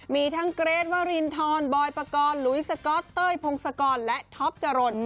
มีทั้งเกรทวรินทรบอยปกรณ์ลุยสก๊อตเต้ยพงศกรและท็อปจรน